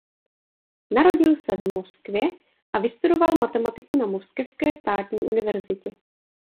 Narodil se v Moskvě a vystudoval matematiku na Moskevské státní univerzitě.